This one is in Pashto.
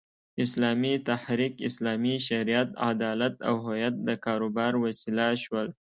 اسلامي تحریک، اسلامي شریعت، عدالت او هویت د کاروبار وسیله شول.